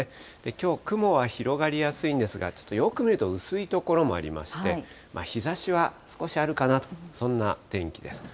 きょう、雲は広がりやすいんですが、ちょっとよく見ると薄い所もありまして、日ざしは少しあるかなと、そんな天気です。